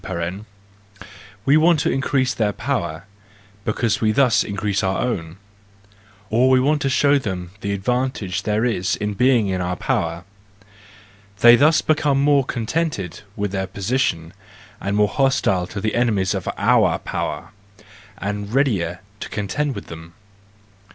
$tre) ; we want to increase their power, because we thus increase our own; or we want to show 4 50 THE JOYFUL WISDOM, I them the advantage there Is in being in our power,—they thus become more contented with their position, and more hostile to the enemies of our power and readier to contend with them.